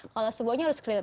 kalau semuanya harus clear